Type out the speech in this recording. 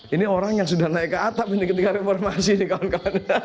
ini orang yang sudah naik ke atap ini ketika reformasi ini kawan kawan